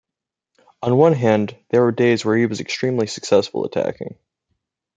On one hand, there were days when he was extremely successful attacking.